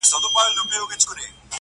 زه دي د دريم ژوند پر زوال ږغېږم